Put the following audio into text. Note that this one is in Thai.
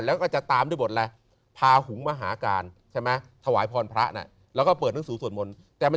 แล้วก็จะตามด้วยบทอะไรพาหุงมหาการใช่ไหมถวายพรพระน่ะแล้วก็เปิดหนังสือสวดมนต์แต่มัน